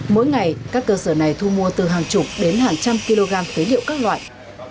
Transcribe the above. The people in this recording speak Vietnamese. mỗi ngày các cơ sở này thu mua từ hàng chục đến hàng trăm kg phế liệu các loại